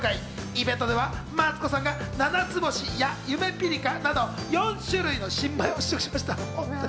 イベントではマツコさんが、ななつぼしや、ゆめぴりかなど４種類の新米を試食しました。